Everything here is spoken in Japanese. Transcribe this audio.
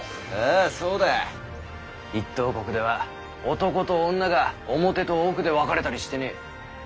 あぁそうだ。一等国では男と女が表と奥で分かれたりしてねぇ。